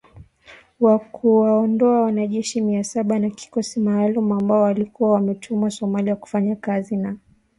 Wa kuwaondoa wanajeshi mia saba wa kikosi maalum ambao walikuwa wametumwa Somalia kufanya kazi na wanajeshi wa Somalia.